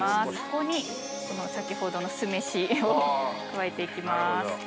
ここに先ほどの酢飯を加えて行きます。